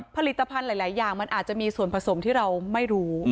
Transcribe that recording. ผลิตภัณฑ์หลายอย่างมันอาจจะมีส่วนผสมที่เราไม่รู้